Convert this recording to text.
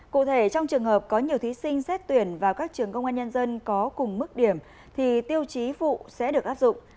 cụ thể trong trường hợp có nhiều thí sinh xét tuyển vào các trường công an nhân dân có cùng mức điểm thì tiêu chí phụ sẽ được áp dụng